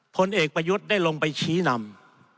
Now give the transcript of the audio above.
ผลเอกประยุทธ์ได้ลงไปชี้นำ